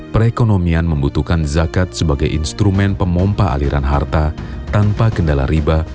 perekonomian membutuhkan zakat sebagai instrumen pemompa aliran harta tanpa kendala riba